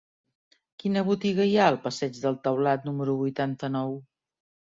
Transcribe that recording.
Quina botiga hi ha al passeig del Taulat número vuitanta-nou?